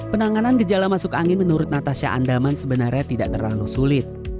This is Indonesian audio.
penanganan gejala masuk angin menurut natasha andaman sebenarnya tidak terlalu sulit